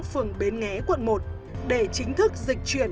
phường bến nghé quận một để chính thức dịch chuyển